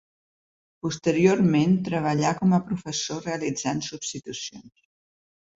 Posteriorment treballà com a professor realitzant substitucions.